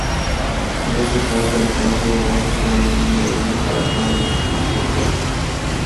En ese caso, el flash llevará asociado un número guía para cada longitud focal.